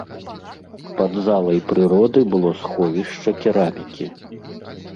Пад залай прыроды было сховішча керамікі.